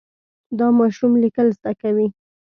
دا ماشوم لیکل زده کوي.